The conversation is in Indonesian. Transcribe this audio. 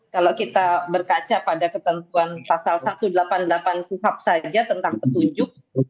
kalau kita berkaca pada ketentuan pasal satu ratus delapan puluh delapan kuhap saja tentang petunjuk